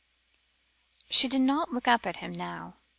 She did not look up at him now.